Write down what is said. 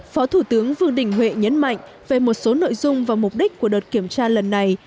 phó thủ tướng vương đình huệ nhấn mạnh về một số nội dung và mục đích của đợt kiểm tra lần này